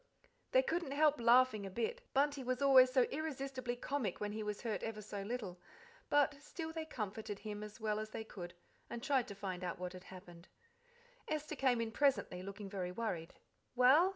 They couldn't help laughing a bit; Bunty was always so irresistibly comic when he was hurt ever so little; but still they comforted him as well as they could, and tried to find out what had happened. Esther came in presently, looking very worried. "Well?"